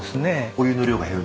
お湯の量が減る？